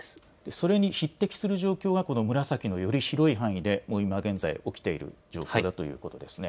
それに匹敵する状況がこの紫のより広い範囲で今現在起きているという状況だということですね。